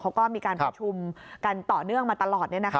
เขาก็มีการประชุมกันต่อเนื่องมาตลอด